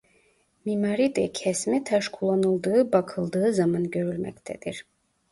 Mimaride kesme taş kullanıldığı bakıldığı zaman görülmektedir.